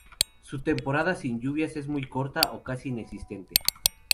Su temporada sin lluvias es muy corta o casi inexistente.